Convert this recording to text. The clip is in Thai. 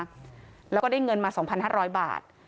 ครับแล้วก็ได้เงินมาสองพันห้าร้อยบาท